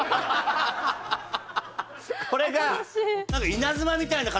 これが。